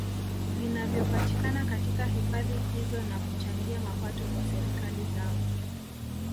Vinavyopatikana katika hifadhi hizo na kuchangia mapato kwa serikali zao